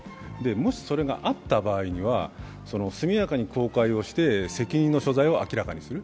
もしそれがあった場合には速やかに公開をして責任の所在を明らかにする。